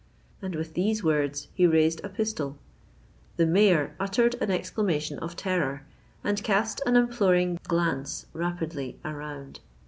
"—And, with these words, he raised a pistol. The Mayor uttered an exclamation of terror, and cast an imploring glance rapidly around.